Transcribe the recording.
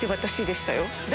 でしたよ。